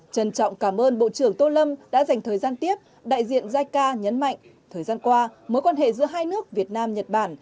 trân trọng cảm ơn bộ trưởng tô lâm đã dành thời gian tiếp đại diện jica nhấn mạnh thời gian qua mối quan hệ giữa hai nước việt nam nhật bản